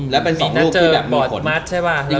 แล้วเป็น๒รูปที่แบบมีผล